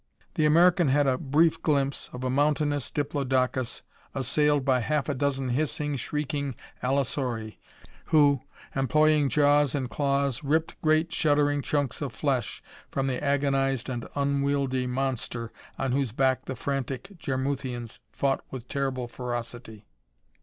The American had a brief glimpse of a mountainous diplodocus assailed by half a dozen hissing, shrieking allosauri who, employing jaws and claws, ripped great, shuddering chucks of flesh from the agonized and unwieldy monster on whose back the frantic Jarmuthians fought with terrible ferocity.